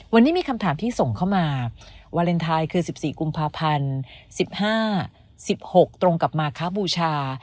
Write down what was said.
วันนี้มีคำถามที่ส่งเข้ามาวาเลนไทยคือ๑๔กุมภาพันธ์๑๕๑๖ตรงกับมาคบูชา